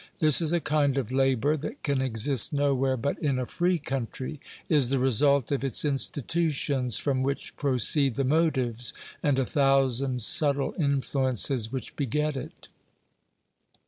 This is a kind of labor that can exist nowhere but in a free country, is the result of its institutions, from which proceed the motives, and a thousand subtle influences which beget it.